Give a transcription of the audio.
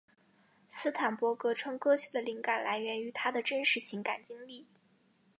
斯坦伯格称歌曲的灵感来源于他的真实情感经历。